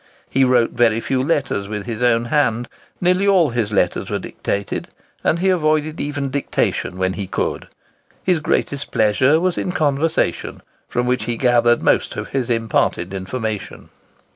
He wrote very few letters with his own hand; nearly all his letters were dictated, and he avoided even dictation when he could. His greatest pleasure was in conversation, from which he gathered most of his imparted information.